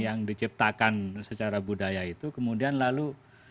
yang diciptakan secara budaya itu kemudian lalu